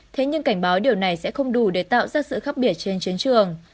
thế nhưng cảnh báo điều này sẽ không đủ để tạo ra sự khác biệt trên chiến trường